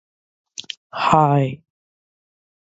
He is chiefly known for his alleged role in the Rwandan Genocide.